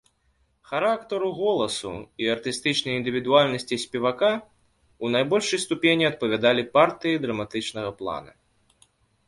Характару голасу і артыстычнай індывідуальнасці спевака ў найбольшай ступені адпавядалі партыі драматычнага плана.